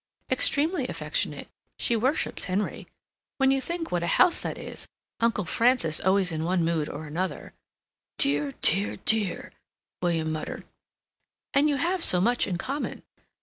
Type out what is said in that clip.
"Extremely affectionate. She worships Henry. When you think what a house that is—Uncle Francis always in one mood or another—" "Dear, dear, dear," William muttered. "And you have so much in common."